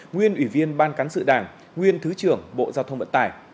nguyên ủy viên ban cán sự đảng nguyên thứ trưởng bộ giao thông vận tải